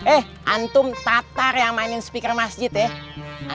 eh antum tatar yang mainin speaker masjid ya